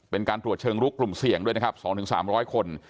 เป็นการตรวจเชิงลุกกลุ่มเสี่ยงด้วยนะครับ๒๓๐๐คน